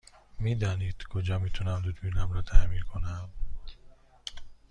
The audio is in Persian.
می دانید کجا می تونم دوربینم را تعمیر کنم؟